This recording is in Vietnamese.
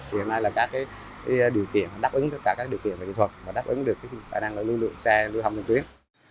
hiện nay là các điều kiện đáp ứng tất cả các điều kiện và kỹ thuật và đáp ứng được khả năng lưu lượng xe lưu hầm dân tuyến